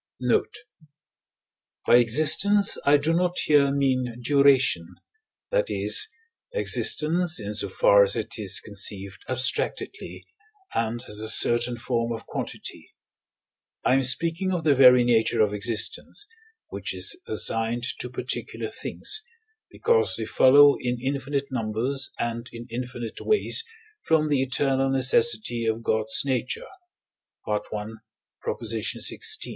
Note. By existence I do not here mean duration that is, existence in so far as it is conceived abstractedly, and as a certain form of quantity. I am speaking of the very nature of existence, which is assigned to particular things, because they follow in infinite numbers and in infinite ways from the eternal necessity of God's nature (I. xvi.).